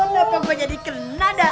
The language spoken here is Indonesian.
kenapa gue jadi kena dah